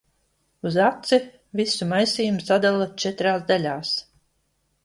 Uz aci visu maisījumu sadala četrās daļās.